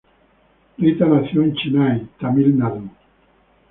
Rita nació en Chennai, Tamil Nadu.